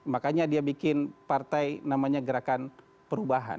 makanya dia bikin partai namanya gerakan perubahan